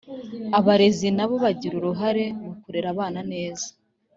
Abarezi na bo bagira uruhare mu kurera abana neza